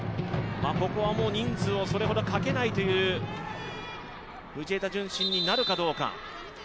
ここは人数をそれほどかけないという藤枝順心になるかどうか。